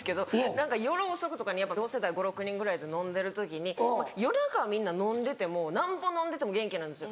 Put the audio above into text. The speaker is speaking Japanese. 何か夜遅くとかに同世代５６人ぐらいで飲んでる時に夜中はみんな飲んでてもなんぼ飲んでても元気なんですよ。